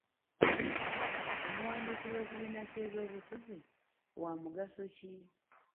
Omuwandiisi w'ekibiina ky'ebyobufuzi wa mugaso ki?